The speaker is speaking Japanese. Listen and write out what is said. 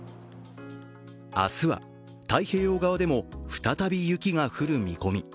明日は太平洋側でも再び雪が降る見込み。